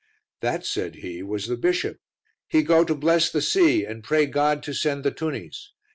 "That," said he, "was the bishop; he go to bless the sea and pray God to send the tunnies.